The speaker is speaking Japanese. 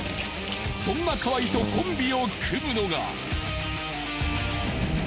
そんな河合とコンビを組むのが。